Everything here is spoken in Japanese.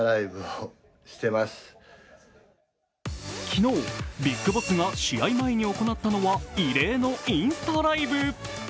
昨日、ＢＩＧＢＯＳＳが試合前に行ったのは異例のインスタライブ。